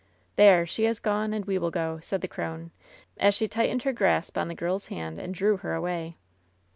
"There, she has gone ! and we will go,'' said the crone, as she tightened her grasp on the girl's hand and drew her away.